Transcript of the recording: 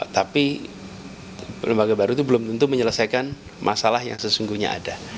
tapi lembaga baru itu belum tentu menyelesaikan masalah yang sesungguhnya ada